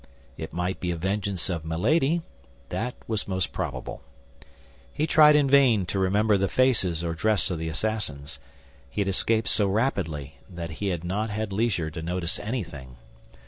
It might be a vengeance of Milady; that was most probable. He tried in vain to remember the faces or dress of the assassins; he had escaped so rapidly that he had not had leisure to notice anything.